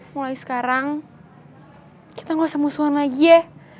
mulai sekarang kita gak usah musuhan lagi ya